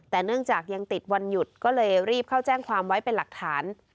แต่เนื่องจากยังติดวันหยุดก็เลยรีบเข้าแจ้งความไว้เป็นหลักฐาน